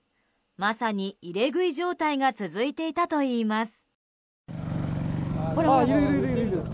まさに、入れ食い状態が続いていたといいます。